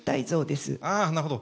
なるほど。